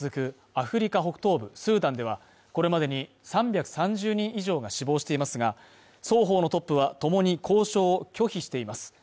アフリカ北東部スーダンではこれまでに３３０人以上が死亡していますが、双方のトップはともに交渉を拒否しています。